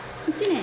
１年？